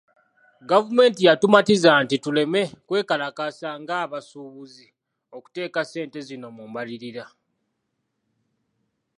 Gavumenti yatumatiza nti ,tuleme kwekalakaasa nga basuubizza okuteeka ssente zino mu mbalirira.